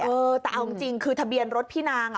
เออแต่เอาจริงคือทะเบียนรถพี่นางอ่ะ